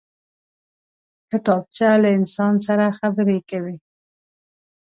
کتابچه له انسان سره خبرې کوي